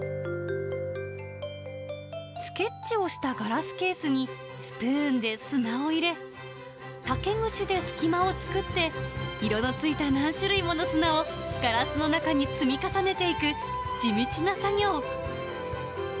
スケッチをしたガラスケースにスプーンで砂を入れ、竹串で隙間を作って、色のついた何種類もの砂をガラスの中に積み重ねていく、地道な作業。